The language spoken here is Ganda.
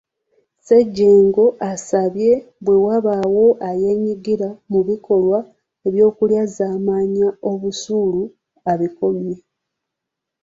Ssejjengo asabye bwe wabaawo eyeenyigira mu bikolwa by'okulyazaamaanya obusuulu abikomye.